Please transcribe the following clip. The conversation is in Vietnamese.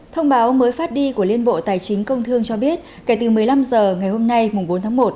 thông báo mới phát đi của liên bộ tài chính công thương cho biết kể từ một mươi năm h ngày hôm nay bốn tháng một